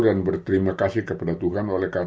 dan berterima kasih kepada tuhan oleh